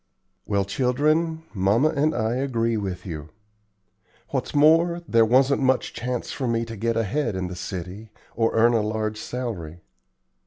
"Well, children, mamma and I agree with you. What's more, there wasn't much chance for me to get ahead in the city, or earn a large salary.